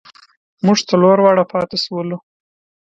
مونږ څلور واړه پاتې شولو.